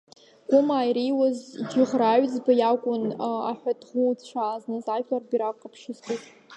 Гәымаа иреиуаз Џьыӷра Аҩӡба иакәын аҳәа ҭӷуцәаа зныз ажәлар рбираҟ ҟаԥшьы зкыз.